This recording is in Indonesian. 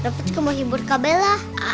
rupes kamu hibur kak bella